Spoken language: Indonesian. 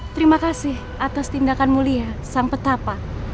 saya contoh hidup